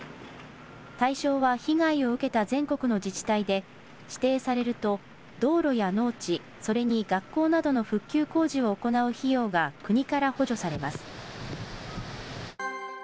対象は被害を受けた全国の自治体で、指定されると道路や農地、それに学校などの復旧工事を行う費用が国から補助されます。